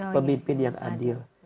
pemimpin yang adil